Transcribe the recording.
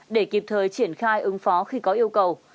để kịp thời triển khai ứng phó khi có yêu cầu